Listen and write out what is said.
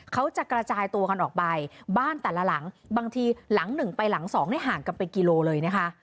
เขาจะกระจายตัวกันออกไปบ้านแต่ละหลังบางทีหลังหนึ่งไปหลังสองเนี่ยห่างกันเป็นกิโลเลยนะคะ